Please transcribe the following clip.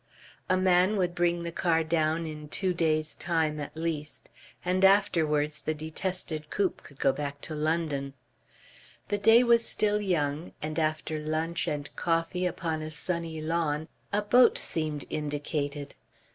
A man would bring the car down in two days' time at latest, and afterwards the detested coupe could go back to London. The day was still young, and after lunch and coffee upon a sunny lawn a boat seemed indicated.